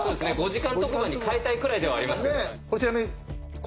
５時間特番に変えたいくらいではありますよね。